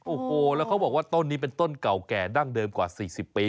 โอ้โหแล้วเขาบอกว่าต้นนี้เป็นต้นเก่าแก่ดั้งเดิมกว่า๔๐ปี